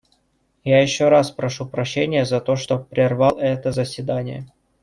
Я еще раз прошу прощения за то, что прервал это заседание.